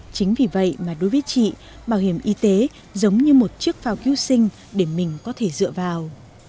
chính vì vậy mà đối với chị bảo hiểm y tế giống như một chiếc phao cứu sinh để mình có thể dựa vào